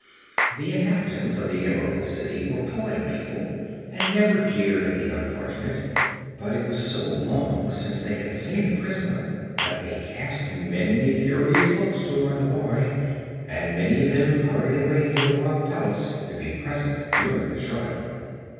The inhabitants of the Emerald City were polite people and never jeered at the unfortunate; but it was so long since they had seen a prisoner that they cast many curious looks toward the boy and many of them hurried away to the royal palace to be present during the trial.